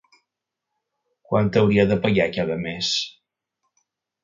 Quant hauria de pagar cada mes?